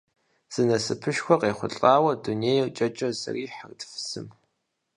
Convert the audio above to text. Зы насыпышхуэ къехъулӀауэ дунейр кӀэкӀэ зэрихьэрт фызым.